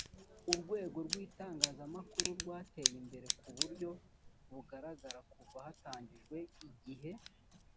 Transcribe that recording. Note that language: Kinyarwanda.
urwego rw itangazamakuru rwateye imbere ku buryo bugaragara kuva hatangijwe igihe